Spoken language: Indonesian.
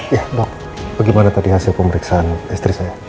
ya dok bagaimana tadi hasil pemeriksaan istri saya